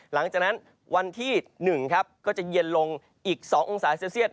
หลังจากนั้นวันที่๑ก็จะเย็นลงอีก๒องศาเซลเซียต